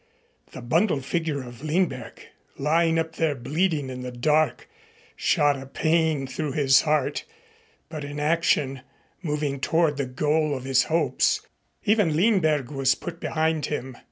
The bundled figure of Lindberg, lying up there bleeding in the dark, shot a pain through his heart, but in action, moving toward the goal of his hopes, even Lindberg was put behind him.